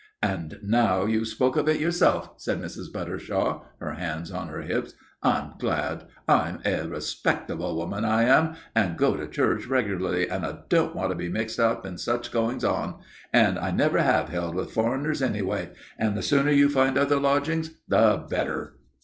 "And now you've spoke of it yourself," said Mrs. Buttershaw, her hands on her hips, "I'm glad. I'm a respectable woman, I am, and go to church regularly, and I don't want to be mixed up in such goings on. And I never have held with foreigners, anyway. And the sooner you find other lodgings, the better."